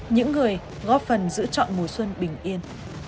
những người góp phần giữ chọn mùa xuân bình yên